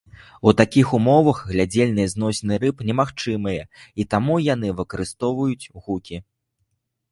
У такіх умовах глядзельныя зносіны рыб немагчымыя, і таму яны выкарыстоўваюць гукі.